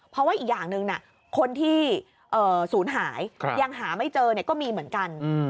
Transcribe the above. เพราะว่าอีกอย่างหนึ่งคนที่ศูนย์หายยังหาไม่เจอก็มีเหมือนกัน